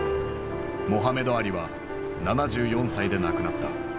モハメド・アリは７４歳で亡くなった。